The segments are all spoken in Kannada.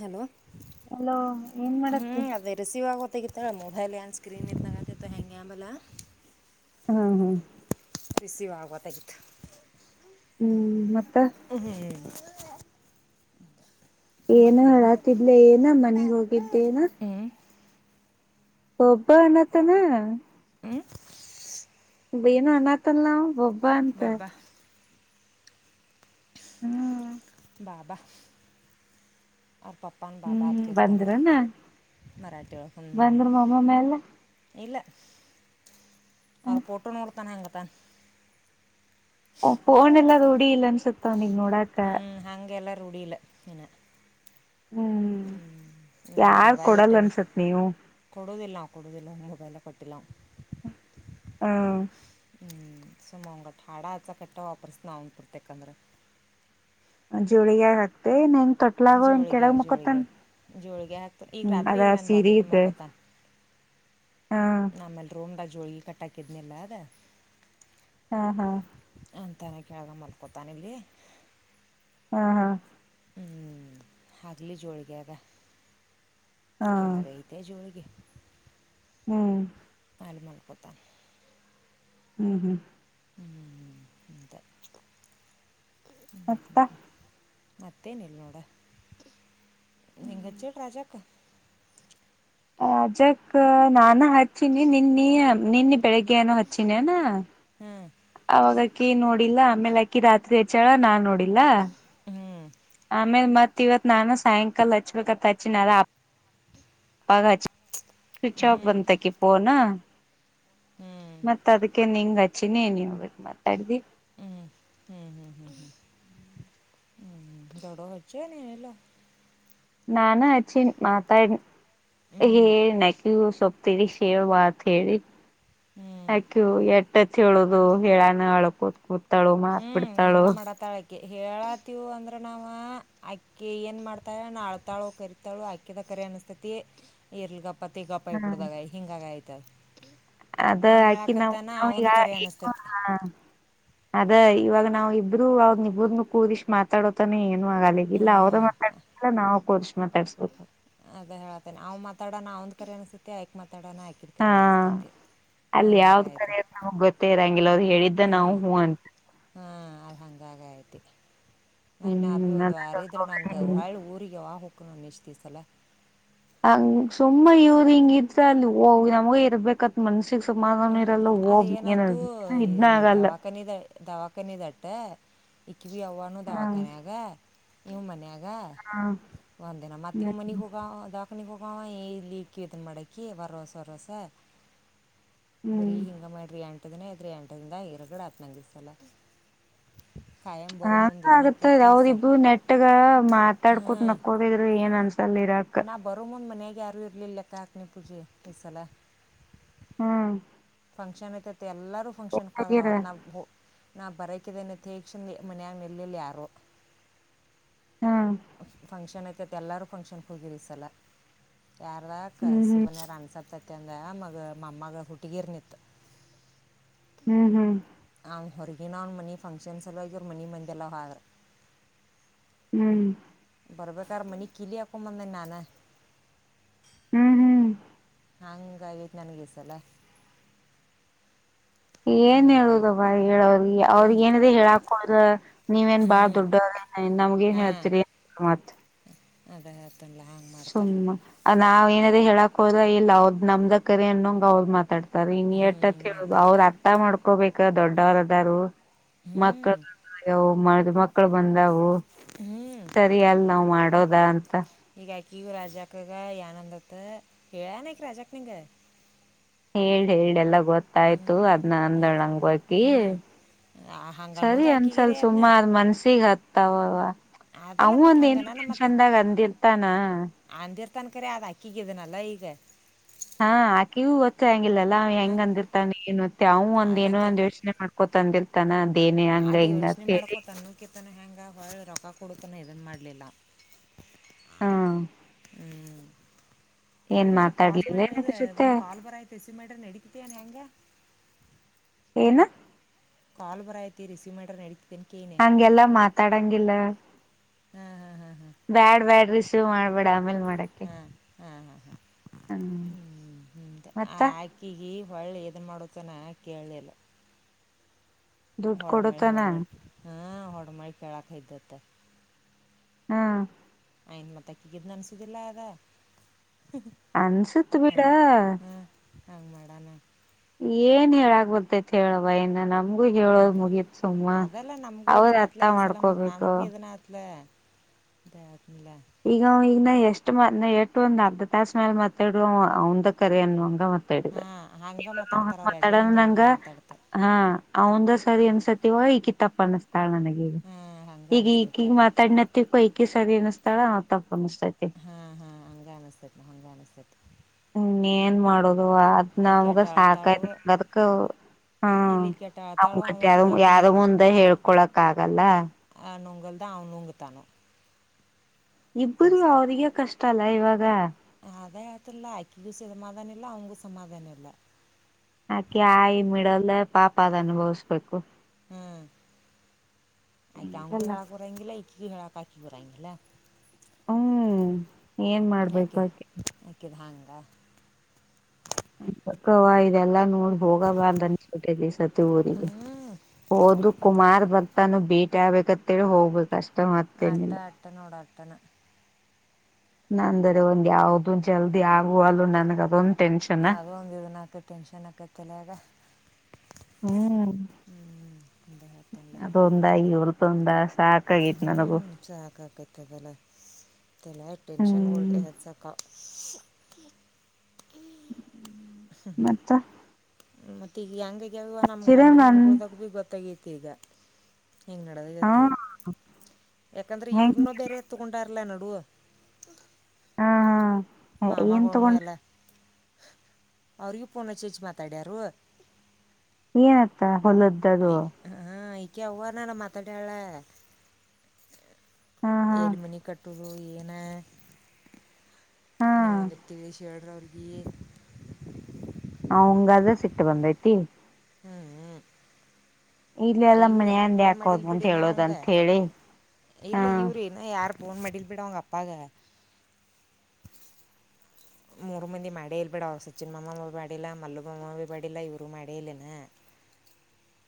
ಹಲೋ ಅಲೋ ಏನ್ ಹ್ಞೂ ಮಾಡತ್ತೆ ಅದೇ ರಿಸೀವ್ ಆಗೋತ್ತಾಗಿತ್ತಲ್ಲ ಮೊಬೈಲ್ ಆನ್ ಸ್ಕ್ರೀನ್ ಎತ್ತು ಹೆಂಗೆ ಆಬಲ್ಲ ಹಾ ಹಾ ರಿಸೀವ್ ಆಗಬಾರ್ದತಾಗಿತ್ತು ಹ್ಮ್ ಮತ್ತ ಹ್ಮ್ ಏನೋ ಮತ್ತೇನ ಹೇಳತಿದ್ದೀಲಾ ಏನ ಮನೆಗ ಹೋಗಿದ್ದ ಏನಾ ಹ್ಞೂ ಒಬ್ಬ ಅನತಾನ ಹ ಏನೋ ಅನ್ನತನ್ಲಾ ಬಬ ಬ ಅಂತ ಬಾಬಾ ಹ್ಮ ಬಾಬಾ ಅವರ ಪಪ್ಪಾನ ಬಾಬಾ ಅಂತ ಹ್ಮ್ ಕರಿತನ ಬಂದ್ರನ ಮರಾಠಿ ಒಳಗ ಹ್ ಬಂದ್ರ ಮಮ್ಮ ಮೇಲೆ ಇಲ್ಲ ಅವ್ರ ಪೋಟೋ ನೋಡ್ತಾನ ಹಂಗ [unintelligible] ಓ ಫೋನ್ ಎಲ್ಲಾ ರೂಢಿ ಇಲ್ಲ ಅನ್ಸುತ್ತ ಅವನಿಗೆ ನೋಡಾಕ ರೂಡಿ ಇಲ್ಲ ಇನ ಹ್ಮ್ ಹ ನಾ ಇಲ್ಲ ಯಾರ್ ಮೊಬೈಲ್ ಕೊಡಲ್ಲ ಇಟೈನಿ ಅನ್ಸತ್ ನೀವು ಕೊಡೋದಿಲ್ಲ ನಾವು ಕೊಡೋದಿಲ್ಲ ಮೊಬೈಲ್ ಕೊಟ್ಟಿಲ ನಾವ ಹ್ಮ ಹ್ಞ ಸುಮ್ಮ ಅವಾಂಗಟ್ಟ ಹಾಡ ಹಚ್ಚಕ ಅಟ್ಟ ವಾಪರ್ಸನ ಅವನ ಪುತ್ರೆಕ ಅಂದ್ರ ಜೋಳಗ್ಯಗ ಹಾಕ್ತಿ ಏನ್ ಹೆಂಗ ಜೋಳಗ್ಯಾಗ ಜೋಳಗ್ಯಾಗ ಜೋಳಗ್ಯಾಗ ಈಗ ಹ್ಮ್ ರಾತ್ರಿ ಅದ ಇಲ್ಲಿ ನನ್ನ ಸೀರಿ ಬಾಜುಕ ಇದ ಮಕ್ಕೊತಾನ ಹಾ ನಮ್ಮಲ್ಲಿ ರೂಮದಾಗ ಜೋಳಗಿ ಕಟ್ಟಾಕ ಇದನ ಇಲ್ಲ ಅದ ಹಾ ಹಾ ತನ ಕಳ್ಗ ಮಲ್ಕೋತಾನ ಇಲ್ಲಿ ಹಾ ಹಾ ಹ್ಮ್ ಹಗಲಿ ಜೋಳಗ್ಯಾಗ ಹಾ ಕೆಳಗ ಐತ ಜೋಳಗಿ ಹ್ಮ್ ಅಲ್ಲಿ ಮಲ್ಕೋತನ ಹ್ಮ್ ಹ್ಮ್ ಹ್ಮ ಅಂತ ಇಷ್ಟ ಮತ್ತ ಮತ್ತೇನಿಲ್ಲ ನೋಡ ನಿಂಗ ಹಚ್ಚಿಳ್ಳ ರಾಜಕ್ಕ ರಾಜಕ್ಕ ನಾನ ಹಚ್ನಿ ನಿನ್ನಿ ನಿನ್ನಿ ಬೆಳಿಗ್ಗೆ ಏನೋ ಹಚ್ಚಿನ ನಾ ಹ್ಞೂ ಅವಾಗ ಅಕಿ ನೋಡಿಲ್ಲ ಇಲ್ಲ ಆಮೇಲೆ ಅಕಿ ರಾತ್ರಿ ಹೆಚ್ಚಳ ನಾ ನೋಡಿ ಇಲ್ಲ ಹ್ಞೂ ಆಮೇಲ್ ಮತ್ತ್ ಇವತ್ ನಾನು ಸಾಯಂಕಾಲ ಹಚ್ಬೇಕತ್ ಹಚ್ಚಿನನಾರ ಅಪ್ಪಾಗ್ ಹಚ್ಚ ಸ್ವಿಚ್ ಆಫ್ ಬಂದಕಿ ಪೋನಾ ಹ್ಞೂ ಮತ್ತ ಅದಕ್ಕೆ ನಿಂಗ್ ಹಚ್ಚಿನಿ ಏನ್ ಹೇಗಬೇಕು ಮಾತಾಡ್ದಿ ಹ್ಞೂ ಹ್ಞೂ ಹ್ಞೂ ತಡೋ ಹಜೆ ನೀನೆಲ್ಲ ನಾನ ಅಚ್ಚಿನ್ ಮಾತಾಡ್ ಹ್ಞೂ ಹೇಳ ನಕ್ಯು ಸೊಪ್ಪತರಿ ಹೇಳ್ ವತ್ಹೇಳಿ ಹ್ಞೂ ಅಕ್ಯ ಎಟ್ಟತ್ ಹೇಳುದು ಹೇಳಾನ ಅಳ ಕೂತ್ ಕೂತಾಳು ಮಾತ್ ಬಿಡ್ತ ನಂಗ ಮಡಕ್ ತಳಿ ಆ ಅಕ್ಕೆ ಹೇಳತೀವಿ ಅಂದ್ರೆ ನಾ ಅಕ್ಕಿ ಏನು ಮಾಡ್ತಾರೆ ನಾಳ್ತಾಳು ಕರಿತಾಳು ಅಕ್ಕಿದ ಕರಿ ಅನ್ನಿಸತೈತಿ ಇರ್ಲ್ಗಪ್ಪ ಪತ್ತತಿ ಗಪ್ಪಾಯ ಹ್ಮ್ ಬಿಡದಾಗ ಹಿಂಗ ಆಯ್ತಿ ತ್ತ ಅದ ಹಾಕಿ ನಾವ್ ನಾವ ಅವಂದು ಕರೆ ಈಗ ಅನಿಸ್ತತಿ ಅದ ಇವಾಗ ನಾವವು ಇಬ್ರು ಅವ್ರ ಇಬ್ಬ್ರನ್ನ ಕೂರಿಸ ಮಾತಾಡೋತಾನೆ ಏನು ಆಗಲಿಗಲ್ಲ ಅವ್ರ ಹ್ಮ್ ಮಾತಾಡಲ್ಲ ನಾವು ಕೂರ್ಸ್ ಮಾತಾಡ್ಸ್ಬದು ಅದೇ ಹೇಳನಿ ನಾವು ಮಾತಾಣ ನಾ ಅವಂದ ಕರಿ ಅನ್ಸತತಿ ಆಯಕ್ತ್ ಹಾ ಅಲ್ಲಿ ಹಂಗಾಗಿ ಯಾವ್ದ್ ಕರ ಆಯ್ತು ನಮಗ್ ಗೊತ್ತೇ ಇರಂಗಿಲ್ಲ ಅವ್ರು ಹೇಳಿದ ನಾವು ಹ್ಮ್ ಹೂಂಟ ಹಾಂ ಅಹಂಗಾಗತಿ ನಾನ್ನ ಅ ಹ್ಮ್ ಅದ ಒಂದು ಅರಿದ್ರೆ ನಂಗ ದೊಡ್ಡ ವಳ ಊರಿಗೆ ಹ [unintelligible] ದೀಸಲ್ಲ ಹಂಗ ಸುಮ್ಮ ಇವರು ಹಿಂಗ ಇದ್ರ ಅಲ್ಲಿ ಹೋಗ್ ನಮಗೆ ಇರ್ಬೇಕತ್ ಮನ್ಸಿಗೆ ಹ್ಮ್ ಅದ ಏನತು ಈ ಇದನ್ನ ಆಗಲ್ಲ ದವಾಖಾನ ದ ದವಾಖಾನ ದಟ್ಟೆ ಭ ಅವ್ವನೂ ಹಾ ದವಾಖಾನೆಯಾಗ ನೀವ್ ಮನೆ ಆಗ್ ಗ ಹಾ ಒಂದಿನ ಮತ್ತ ಹ್ಮ್ ಮನಿ ಹುಗ ಅದ ಪನಿ ಪೋಕ ಏ ಲೀವ ಕ ಇತನ ಮಡಕಿ ವರವೋಸ ವರೋಸ ಬರೀ ಹ್ಮ್ ಹೆಂಗ ಮಾಡಿರಿ ಆಂ ಎದಿನೇ ಅಐದ್ರರಿ ಎಂಟದಿಂದ ಹರಗಡೆ ಆತ್ನಂದಿಸ್ತಲ್ಲ ಹ ಆಗತ್ತದ ಅವಾವ್ರಿಬ್ಬರು ನೆಟ್ಗ ಮಾತಾಡ್ ಕುತ್ ಹಾಂ ನಕ್ಕೋದಿದ್ರು ಏನ್ ಅನ್ಸಲ್ ಇರಾಕ್ ನಾ ಬರೋ ಮುಂದ್ ಮನೆಗೆ ಯಾರು ಇರ್ಲಿಲ್ಲ ಲೆಕ್ಕ ಹಾಕ್ನಿ ಪೂಜೆ ಈ ಸಲ ಹ್ಮ್ ಫಂಕ್ಷನ್ತ್ತ ತ್ಯಾ ಎಲ್ಲರೂ ಫಂಕ್ಷನ್ ಆದ ಗಿರ ಅವತ್ ನಾವು ನಾ ಬರ ಕಿಯನ್ನು ದೀಕ್ಷೆಗೆ ಮನೆಯ ನೆಲ್ಲಿಲ್ಲ ಯಾರು ಹ್ಮ್ ಫಂಕ್ಷನ್ತ್ತ [unintelligible] ಎಲ್ಲರೂ ಫಂಕ್ಷನ್ಗೆ ಹೋಗಿರಿ ಈ ಸಲ ಯಾರಕ್ಕ ಹ್ಮ್ ಸುಮನೆ ರ [unintelligible] ಅನ್ಸತ ಮತ್ತಂದ ಮಗ ಮಮ್ಮಗೆ ಹುಟ್ಟಗಿರ್ ನಿತ್ತು ಹ್ಮ್ ಹ್ಮ್ ಅವ ಹೊರಗಿನ ಅವ್ನ ಮನ ಫಂಕ್ಷನ್ಸ [unintelligible] ಮನಿ ಮಂದಿಲ್ಲ [unintelligible] ಹ್ಮ್ ಬರಬೇಕೇಕಾರ ಮನಿ ಕಲಿಯಕ ಬಂದ ನಾನ ಹ್ಮ್ ಹ್ಮ್ ಹಂಗಯ್ತ್ [unintelligible] ನನಗ್ ಈ ಸಲ ಏನ್ ಹ್ಞೂ ಹೇಳುದವ [unintelligible] ಹೇಳ ಅವ್ರಿಗೆ ಏನದ ಹೇಳಾಕೋದ [unintelligible] ನೀವೇನ್ ಬಾಳ್ ದೊಡ್ಡರ [unintelligible] ನಮ್ಗ ನ್ ಹೇಳ್ತಿರಿ ಮತ್ ಅದೇ ಅದೇ [unintelligible] ತಲ್ಲ ಹಾಂಗೆ ಮಾಡ್ತಾರೆ ಸುಮ್ಮ ನಾವ್ ಏನದೇ ಹೇಳಾಕ್ ಹೋದ ಇಲ್ಲ ಅವ್ರದ್ ನಮ್ದ ಕರಿ ಅನ್ನೋಂಗ ಅವ್ರ ಮಾತಾಡ [unintelligible] ಇನ್ ಹ್ಞೂ ಎಷ್ಟತ್ ಹೇಳುದು ಅವ್ರು ಮಾತಾಡ್ತಾರೆ ಅರ್ಥ ಮಾಡ್ಕೋಬೇಕು [unintelligible] ದೊಡ್ಡವರ ಅದಾರು ಹ್ಞೂ ಮಕ್ಕಳ ಮ [unintelligible] ದು ಮಕ್ಕಳ ಬಂದಾವ ಓ [unintelligible] ಹ್ಞೂ ಸರಿ ಅಲ್ ನಾವ್ ಮಾಡೋದು [unintelligible] ವ ಅಂತ ಯಾಕ ಇ [unintelligible] ರಾಜಾಕಾಗ ಏನಂದತ್ [unintelligible] ಏನಿಕ್ ರಾಜಾಕ ನಿಗೆ [unintelligible] ಹೇಳಿ ಹೇಳಿ ಎಲ್ಲ ಗೊತ್ತಾಯ್ತು ಅದ್ನ ಅದು ಅಂದಂಗಕಿ ಹ್ಞೂ ಹಂಗೆ ಸರಿ ಅನ್ನೋದು ಆಕಿಗೆ ಅನ್ಸಲ್ ರೀ ಸುಮ ಅದನ್ನ ಅದ್ ಮನ್ಸಿಗೆ ಹತ್ತಾವವ ಅವ ಅದಲ್ಲ ಮತ್ತು ಒಂದ ಏನೋ ಹಂಗನ ಮತ್ತು ಟೆನ್ಷನ್ದಾಗ ಅಂದಿರ್ತಾನ ತನಕರಿ ಅದ ಹಾಕಿಗಿದನಲ್ಲ ಈಗ ಹಾ ಅಕಿಗೂ ಗತ್ತು [unintelligible] ಹಂಗಿಲ್ಲಲ್ಲ ಹಾಂ ಹೆಂಗ ಅಂದಿರ್ತಾನೆ ಏನು [unintelligible] ಏನೂ ಒಂದ ಯೋಚನೆ ಮಾಡ್ಕೊತಂದಿರ್ ತನ ಅದ್ ಯೋಚನೆ ಮಾಡ್ಕೊತನ್ನ [unintelligible] ಕಿರ್ತನ ಹೆಂಗ ರೊಕ್ಕ ಕೊಡ ತನ ಇದನು ಮಾಡಲಿಲ್ಲ ಹ್ಮ್ ಹ್ಮ್ ಇದು ಏನ್ ಪೂಜಿ ಪಾಸ್ ಮೇ ಮಾತಾಡ್ಲಿಲ್ಲ ಇ ಏನಕಿ [unintelligible] ಜೊತೆ ಒಂದು ಕಾ ಲ್ ಬರಯ್ತೆ ಮೇಟ್ರ ನಡಿಕಿತಿಯನ್ ಹೆಂಗ [unintelligible] ಏನು ಕಲ್ ಬರೋಯ್ತೆ ರಿಸೀವ್ಮಾಡ್ರಿ ನಡಿ [unintelligible] ಹಂಗೆಲ್ಲಾ ಮಾತಾಡಂಗಿಲ್ಲ ಹಾಂ ಹಾಂ ಬ್ಯಾಡ್ ಬ್ಯಾಡ್ ರಿಸೀವ್ ಮಾಡ್ಬೇಡ ಆಮೇಲ್ ಮಾಡಕೆ ಹ ಹ ಹಾ. ಹ್ಮ್ ಹ್ಮ್ ಹ ಮತ್ತ ಆಕಿಗಿ ಒಳ್ ದುನ್ ಮಾಡೋಚನ ಕೇಳ್ಲಿಲ್ಲ. ದುಡ್ಡು ಹೊಡ್ಮೇಲ್ ಕೊಡುತನ ಜಾಗ್ಳ ಹ. ಹಾ ಹೊಡ್ಮಳ್ ಕೆಳಕ್ ಐದ್ದತ್ತ. ಹಾ ಅಯನ್ ಮತ್ತಕಿ ಕಿದ್ನ್ ಅನ್ಸುದಿಲ್ಲ ಅದ. ಅನ್ಸುತ್ ಬಿಡ. ಹಂಗ್ ಮಾಡಾನ. ಏನ್ ಹೇಳಾಗ್ ಬರ್ತೈತಿ ಹೇಳವ್ವ ಇನ್ನ ನಮ್ ಅದೇ ಅದಲ್ಲ ನಮ್ಗೂ ಅವ್ರ ಇದನತ್ಲ ಅರ್ಥ ಇ ಸಲ ಮತ್ ಮಾಡ್ಕೋಬೇಕು ನನ್ಗೂ ಇದ ನತ್ಲ. ತ್ಯ ಈಗ ಈಗ್ನ ಎಷ್ಟ್ ಎಷ್ಟ ಮ ಎಟು ಒಂದ್ ಅರ್ಧ ತಾಸ್ ಮೇಲ್ ಮತ್ತೆ ಡ್ರೋ ಅವ್ನ್ದೆ ಕರೆ ಅನ್ನು ಹಂಗ ಹಾಂ ಹಂಗೆ ಇವಾಗ ಅವ್ ಮಾತಾಡ್ತಾರೆ ಅವ್ರು ಎರಡು ಮಂದಿ ಹಂಗೆ ಮಾತಾಡಿದ ಮಾತಾಡ್ತಾರೆ ಹ ಅವ್ನ್ದ ಸರಿ ಅನ್ಸತದ್ ಇಕಿ ಟಪ್ ಅನ್ಸ್ ಟಾಳ್ ನನ್ಗೀಗ ಹಾಂ ಹಂಗೆ ಇಗ್ ಅನಿಸ್ತೈತೆ ಇಕಿಗ್ ಮಾತಾಡ್ನತಿದ್ ಪಯ್ಕೀಸ್ ಸರಿ ಅನುಸ್ ಚಳ ವಾತಬ್ ಹಾ ಹಾ ಹಂಗ್ ಅನುಸ್ತೈತ್ ಹಂಗ ಅನುಸ್ತೈತ್. ಇನ್ನ್ ಏನ್ ಮಾಡೋದ್ ಅದ್ ನಮಗ ಈಕೆಟ ಅಳ್ತಾಳು ಸಾಕಾಯತ್ ನಂಗದಕ ಹ್ಮ ಇಲ್ಲಿ ಈಕೆಟ ಅಳ್ತಾಳು ಅವಗಟ್ಟ ಅವ ಒಟ್ಟು ಯಾರ್ ಗಪ್ ಯಾರ್ ನುಂಗ್ ಮುಂದ್ ಹೇಳ್ಕೊಳಕ್ ಆಗಲ್ಲ. ಉಗುಲ್ದಾ ಅವ್ನುಂಗ ತಾನು. ಇಬ್ರುನು ಅವ್ರಿಗೆ ಕಷ್ಟ ಅಲ್ಲ. ಐ ಇವಾಗ. ಅದೇ ಆತಲ್ಲ ಆಕಿಗೂ ಸ್ ಸಮಾಧಾನ ಇಲ್ಲ ಅವ್ನ್ಗೂ ಸಮಾಧಾನ ಇಲ್ಲ. ಆಕಿ ಆಯಿ ಮಿಡಲ್ ಪಾಪ ಅದ್ ಅನುಭೂಸ್ಬೇಕು. ಹ್ಮ್ ಆಕಿ ಅವುಂಗು ಹಂಗಲ್ಲ ಹೇಳಕ್ ಬರಂಗಿಲ್ಲ ಈಕಿಗು ಹೇಳಕ್ ಪಾಕಿ ಬರಂಗಿಲ್ಲ. ಹ್ಮ್ ಏನ್ ಮಾಡ್ಬೇಕು ಆಕಿ. ವಾ. ಜಿಪ್ ತಕ್ವಾ ಇದೆಲ್ಲಾ ನೋಡ್ ಹೋಗಬಾರ್ದ ಅನುಸ್ಬುಟೈತಿ ಈ ಸತಿ ಊರಿಗಿ ಹ್ಞೂ ಹೋದ್ರು ಕುಮಾರ್ ಬರ್ತಾನ ಬೇ ಬ್ಯಾಬೇಕತೆಳಿ ಹೋಗ್ಬೇಕ್ ಅಷ್ ಅತ್ತ ಅತ್ತ ನೋಡ್ ಅತನ. ನಂದೆಡೆ ಒಂದ್ ಯಾವ್ದು ಜಲ್ದಿ ಆಗುವಲ್ಲೂ ನನ್ಗ್ ಅದೊಂದ್ ಟೆನ್ಷನ್ ಅದೊಂದು ಇದುನ್ ಅಕ್ಕ ಟೆನ್ಶನಕ್ಕ ತಲ್ಯಾಗ. ಹ್ಮ್ ಅದೊಂದಾಗಿ ಇವ್ರ ತೊಂದ್ ದಾಸ್ ಹ್ಮ್ ಸಾಕ್ ಆಕತದಲ್ಲೆಲ್ಲ ತಲ್ಯಾಗ್ ಟೆನ್ಷನ್ ಒಳ್ ಹ್ಮ್ ಹೆದ್ಸಕ. [unintelligible] ಹ್ಮ್. ಮತ್ತ. ತ್ತಿಗ್ ಹೆಂಗೈ ಯಲ್ವ ನಮ್ ಗಂಡನ ಚಿರನ್ ಮನೆಗೆ ಹೋದಾಗ್ಲಿ ಗೊತ್ತಾಗಿದ್ ಈಗ ಹಿಂಗ್ ಹಾ ನಡೆದಂತ ಹೇಳಿ ಯಾಕಂದ್ರೆ ಹೆಂಗ ಇವ್ರನ ಬೇರೆ ತಗೊಂಡಾರ್ ಇಲ್ಲೇ ನಡುವ್ ಆ ಹಾ ಹಾ ಮಾಮ ಏನ್ ಗೊಳ್ನು ತಗೊಂಡ ಎಲ್ಲ. ಅವ್ರಿಗೂ ಪೋನ್ ಹಚ್ಚಿ ಹಚ್ಚಿ ಮಾತಾಡ್ಯಾರು. ನೀ ಅತ್ತ ಹೊಲದ್ದದು ಕ್ಕೆ ಅವ್ವ ನನ್ ಮತಾಡ್ಯಾಳೆ. ಹಾ ಹಾ ಎಲ್ಲಿ ಮನೆ ಕಟ್ಟು ಅವರು ಏನ ಹಾ ನೀವು ಒಂದಿರ್ತೀವಿ ಶ ಹೇಳ್ರಿ ಅವ್ರಿಗಿ ಅವ್ನ್ಗದೆ ಸಿಟ್ ಬಂದೈತಿ. ಹ್ಮ್ ಹ್ಮ್ ಇಲ್ಲ ಎಲ್ಲ ಇವ್ರು ಯಾರ್ ಮನ್ಯಂಡ್ ಫೋನ್ ಮಾಡಿಲ್ ಯಾಕೋದ್ ಅಂತ ಬಿಡ್ ಇನ್ನ ಅವ್ನ್ಗ ಹೇಳೋದಂತ ಹೇಳಿ ಹಾ ಇಲ್ಲ ಇವ್ರ್ ಇನ್ನ ಯಾರ್ ಫೋನ್ ಮಾಡಿಲ್ ಬಿಡೋ ಅವ್ವ ಅಪ್ಪಾಗ ಮೂರ್ ಮಂದಿ ಮಾಡೇ ಇಲ್ ಬಿಡೋ ಅವ್ನ್ ಸಚಿನ್ ಮಾಮನವ್ರ್ ಮಾಡಿಲ್ಲ ಮಲ್ಲು ಮಾಮಾ ಬಿ ಮಾಡಿಲ್ಲ ಇವರು ಮಾಡೇ ಇಲ್ಲೇನ.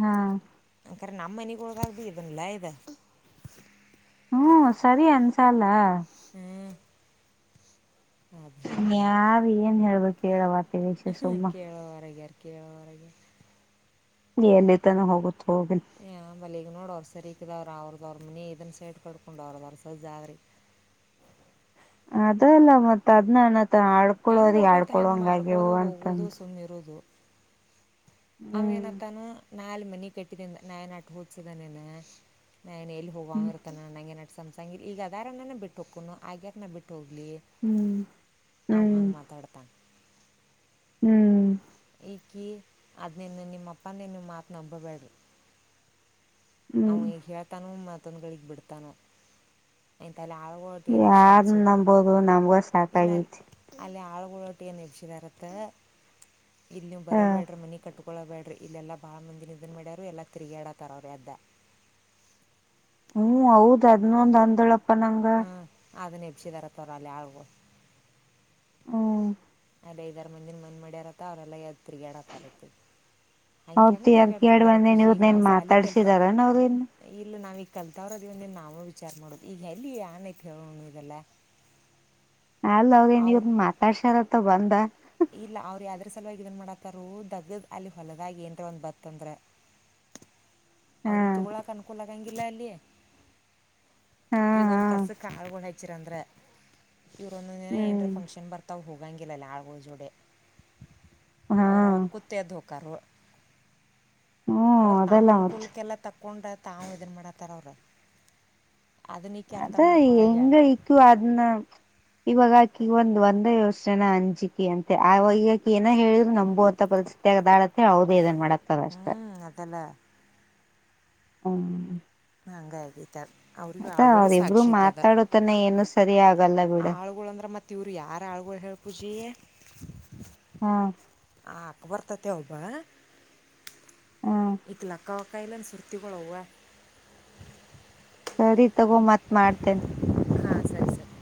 ಹಾ ಅಕರ ನಮ್ಮ ಮನೆಗೋಳಗಾಗಿ ಇದನ್ನಲ್ಲ ಇದು. ಹ್ಮ್ ಸರಿ ಅನ್ಸಲ್ಲ. [unintelligible] ಅದು ಹೇಳ್ತೀನಿ ಯಾರ್ ಏನ್ ಹೇಳ್ಬೇಕ್ ತ್ತೇಳವ್ವ. ಕೃಷ್ಣ ವಿಷೆ ಸುಮ್ಮ ಕೇಳೋವರ್ ನೀ ಎಲ್ಲಿ ತಾನ ಹೋಗೋದು. ಏ ಬಲಿ ಈಗ್ ನೋಡು ಅವ್ರ್ ಸ್ ಸರಿಕದವ್ರ ಅವ್ರದವ್ರ ಮನಿ ಇದನ್ನ ಸೈಡ್ ಕಟ್ಕೊಂಡು ಅವ್ರದವ್ರ ಸಜ್ಜ ಆದ್ರಿ. ಅದಲ್ಲ ಮತ್ತ್ ಅದ್ನಣ ತ್ತ ಹೆಂಗೆ ಆಡ್ಕೊಳೋರಿಗ್ ಬರ್ತೈತೆ ಆಡ್ಕೊಳ ಹಂಗೆ ಹಂಗಾಗ್ಯಾವು ಮಾರ್ಕೊಳ್ಳೋದು ಹೋಗೋದು ಅಂತಂದ್ ಆಮೇನ ತನು ನಾಲ್ ಮನೆ ಕಟ್ಟಿದಿಂದ ನಾಯನ್ಟ ಓದಸಿದೇನ ನಾನನ್ ಎಲ್ಲಿ ಹೋಗುವಾಗ ಹ್ಮ್ ಇರ್ತಾನ ನಂಗೆ ಸಸಂಗಿರ್ ಈಗ ಅದಾರ ನಾನ ಬಿಟ್ಟ ಹಕುನು ಆಗ್ಯಾರ ನ ಬಿಟ್ಟ ಹೋಗಿ ಲಿ ಆಂಗ ಹ್ಮ್ ಹ್ಮ್ ಮಾತಾಡ್ತಾ ಹ್ಮ್ ಕಿ ಅದ್ ನಿನ್ನ ನಿಮ್ಮಪ್ಪ ನೀನು ಮಾತ ನಂಬಬೇಡ್ರಿ ಅವ ಹ್ಮ್ ಈ ಗ ತಾನು ಮತ್ ದ್ ಗಳಿಗೆ ಬಿಡ್ತಾನೋ ಅಲ್ಲಿ ಆಳುಗಳೊಟ್ಟು ಏನು ಯಾರ ಎಬ್ಸಾವತ್ತು ಸುದ್ದಿ ನಂಬಂಬೋದು ನಮ್ಗ ಸಾಕಾಗತಿ ಪೂಳೋಟ್ಟಿಯ ನಚಿ ತರತ್ತ ಇಲ್ಲಿ ನೀವು ಹ ಬರಬೇಡ್ರ ಮನಿ ಕಟ್ಟ ಕಳಬೇಡ್ರ ಇಲ್ಲೆಲ್ಲ ಬಾಳ ಮಂದಿ ನಿನ್ ಮಾಡಡ್ಯ್ ಎಲ್ಲ ತಿರುಗಾಡತಾರ ಅವ್ರೀ ಅದ ಹ್ಮ್ ಹೌದ್ ಹದ್ನೊಂದ್ ಹಂದಳ ಪ್ಪ ನಂಗ ಅದ ಎಪಿಸಿ ತರತ್ತೋರ ಅಲ್ಲ ಆಳ್ಗೋ ಹ್ಮ್ ಅದೇ ಐದಾರ ಮಂದಿನ ಮಣ್ ಮಾಡ್ಯಾರತ್ತ ಅವರೆಲ್ಲ ಎ ತಿರುಗಾಡಕ್ಕರತ್ತೆ ಹಂಗೆ ಹೆಂಗೆ ಅವ್ರ ಕೇಳ್ ತಿರುಗಾಡ್ತಿದ್ದಾರ ಬಂದೇನ್ ಪೂಜೆ ಈಗ ಇವ್ರನೇನ್ ನಾವು ಸಾಲಿ ಕಲ್ತ ಮಾತಾಡ್ಸಿದಾರನ್ ಅವ್ರೇನ್ ಇಲ್ಲ ನಾವೀ ಕಲ್ತಾವ್ರ ಅದ ಒಂದನ್ ನಾವ ವಿಚಾರ ಮಾಡುದು ಈಗ ಎಲ್ಲಿ ಏನೈ ಹೇಳೋಣ ಇದೆಲ್ಲ ಅಲ್ಲ ಅವ್ರಿ ಅವ್ರು ನೀವು ಮಾತಾಡ್ಸಾರತ್ತ ಬಂದ ದ ಇಲ್ಲ ಅವ್ರ ಯ್ದ ಸಲುವಾಗಿ ಇದನ್ ಮಾಡತ್ತಾರ ದಗ್ ಅಲ್ಲಿ ಹೊಲದಾಗಿ ಏನ್ರ ಒಂದ್ ಬತ್ ಅಂದ್ರೆ ಹಾ ಅವ್ರ ತಗಳಾಕ್ ಅನ್ಕೂಲಂ ಬಲಾಲಿ ಹಾ ಹಾ ಈಗೊಂದ್ ಕಸ ಕಾಳ್ಗಳು ಹಚ್ಚಿರಂದ್ರೆ ಇವ್ರುನೋಂದಿನ ಏನ್ರ ಹ್ಮ್ ಫಂಕ್ಷನ್ ಬರ್ತಾವ್ ಹೋಗಿ ತಂಗಿಲ್ಲಲ್ಲ ಆಳ್ಗೂ ಜೂಡೆ ಹಾ ಅವ್ರವ ಕುತ್ತೇ ದುಃಖರು ಹ್ಮ್ ಅದೆಲ್ಲಾ ಮತ್ತೆ ತಕ್ಕೊಂಡ್ರ ತಾವು ಇದನ್ ಮಾಡತಾರ ಅವ್ರ ಅದು ಎಂಗ ಇಕ್ಕ ಅದನ್ನ ಇವಾಗಕಿ ಒಂದ್ ಒಂದೇ ಯೋಚನ ಅಂಜಿಕೆ ಅಂತೆ ಆವಾಗ ಈಗಕ ಏನ ಹೇಳಿದ್ರು ನಂಬುವಂತ ಪರಿಸ್ಥಿತಿ ಆದಾಳ ಮತ್ತೆ ಹೌದ ಇದನ್ ಮಾಡತದ ಅಷ್ಟ. ಹ್ಮ್ ಅದಲ್ಲ ಹ್ಮ ಹಂಗ ಆಗೈ ಅವ್ರಿಗ ಆಳ್ಗಳಿಗ್ ಅವ್ರಿಬ್ರು ಸಾಕ್ಷಿತ್ ಅದ ಮಾತಾಡೋತನ ಏನು ಸರಿ ಆಗಲ್ಲ ಬಿಡ ಆಳ್ಗಳು ಅಂದ್ರ ಮತ್ ಇವರು ಯಾರ್ ಆಳ್ಗಳು ಹೇಳ್ ಖುಷಿ. ಹಾ ಅಕ್ಬರ್ ತತೆ ಒಬ್ಬ ಹಾ ಈತ ಲೆಕ್ಕವ್ ತ್ತಾಯ್ಲನ್ ಸುತ್ತಿಗೋಳವೆ. ಸರಿ ತಗೊ ಮತ್ ಮಾಡ್ತೀನಿ. ಹಾಂ ಸರಿ ಸರಿ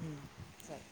ಹ್ಮ್ ಸರಿ